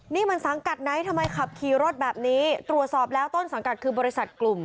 นี่มันสังกัดไหนทำไมขับขี่รถแบบนี้ตรวจสอบแล้วต้นสังกัดคือบริษัทกลุ่ม